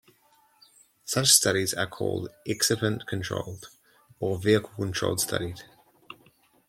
Such studies are called excipient-controlled or vehicle-controlled studies.